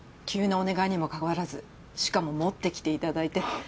急なお願いにもかかわらずしかも持ってきていただいて。